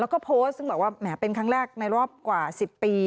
แล้วก็โพสต์ซึ่งแบบว่าแหมเป็นครั้งแรกในรอบกว่า๑๐ปี